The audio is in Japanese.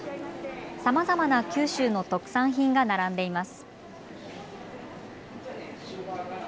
さまざまな九州の特産品が並んでいます。